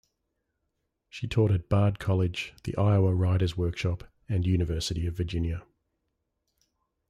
She taught at Bard College, the Iowa Writers' Workshop, and University of Virginia.